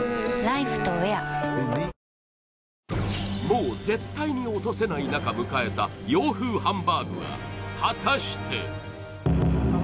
もう絶対に落とせない中迎えた洋風ハンバーグは果たして！？